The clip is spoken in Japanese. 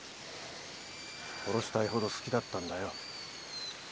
殺したいほど好きだったんだよ。